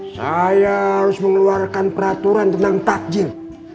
saya harus mengeluarkan peraturan tentang takjil